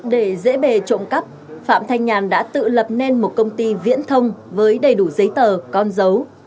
để dễ bề trộm cắp phạm thanh nhàn đã tự lập nên một công ty viễn thông với đầy đủ giấy tờ con dấu